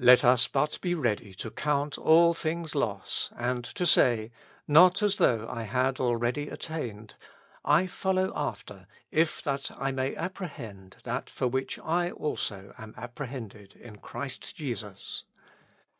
Let us but be ready to count all things loss, and to say, " Not as though I had already attained ; I follow after, if that I may ap prehend that for which I also am apprehended in Christ Jesus."